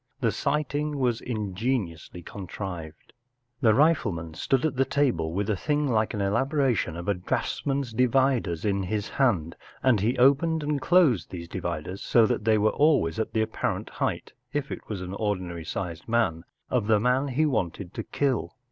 The sight¬ ing was ingeniously contrived* The rifle¬ man stood at the table with a thing like an elaboration of a draughtsman's dividers in his hand, and he opened and closed these dividers, so that they were always at the apparent height—if it was an ordinary sized man—of the man he wanted to kill.